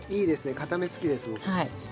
かため好きです僕。